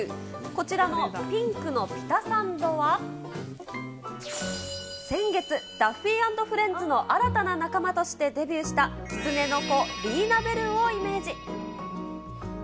こちらのピンクのピタサンドは、先月、ダッフィー＆フレンズの新たな仲間としてデビューした、キツネの子、リーナ・ベルをイメージ。